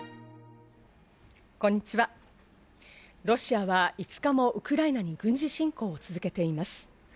ロシアは５日もウクライナに軍事侵攻を続けています。